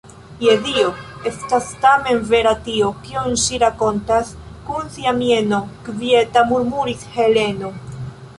Je Dio! Estas tamen vera tio, kion ŝi rakontas kun sia mieno kvieta, murmuris Heleno.